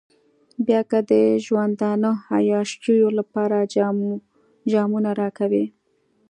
بيا که د ژوندانه عياشيو لپاره جامونه راکوئ.